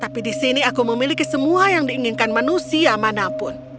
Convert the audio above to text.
tapi di sini aku memiliki semua yang diinginkan manusia manapun